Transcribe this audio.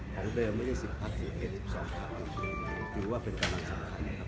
ของเวลาไม่ได้๑๐พักหรือ๑๒พักถือว่าเป็นกำลังสำคัญนะครับ